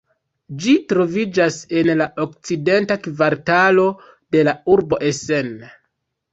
Ĝi troviĝas en la Okcidenta Kvartalo de la urbo Essen.